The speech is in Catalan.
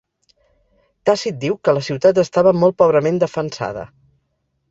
Tàcit diu que la ciutat estava molt pobrament defensada.